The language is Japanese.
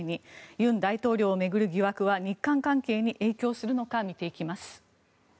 尹大統領を巡る疑惑は日韓関係に影響するのか見ていきます。